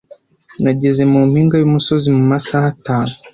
Nageze mu mpinga y'umusozi mu masaha atanu.